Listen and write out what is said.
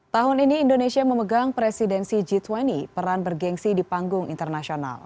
tahun ini indonesia memegang presidensi g dua puluh peran bergensi di panggung internasional